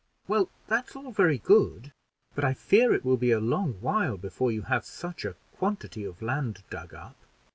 "Well, that's all very good; but I fear it will be a long while before you have such a quantity of land dug up."